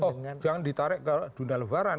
oh jangan ditarik ke dunia lebaran